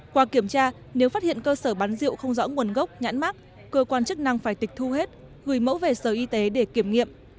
qua kiểm tra nếu phát hiện cơ sở bán rượu không rõ nguồn gốc nhãn mát cơ quan chức năng phải tịch thu hết gửi mẫu về sở y tế để kiểm nghiệm